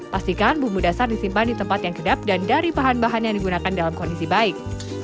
pastikan bumbu dasar disimpan di tempat yang kedap dan dari bahan bahan yang digunakan dalam kondisi baik